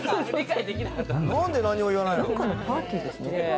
何かのパーティーですね。